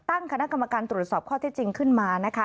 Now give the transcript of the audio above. ตั้งคณะกรรมการตรวจสอบข้อที่จริงขึ้นมานะคะ